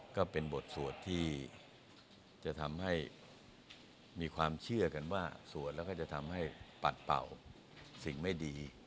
ก็เป็นบทสวดที่จะทำให้มีความเชื่อกันว่าสวดแล้วก็จะทำให้ปัดเป่าสิ่งไม่ดี